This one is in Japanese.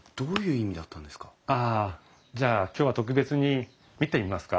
ああじゃあ今日は特別に見てみますか？